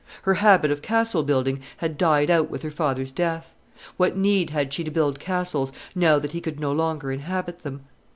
Her habit of castle building had died out with her father's death. What need had she to build castles, now that he could no longer inhabit them?